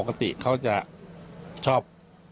ไม่ตั้งใจครับ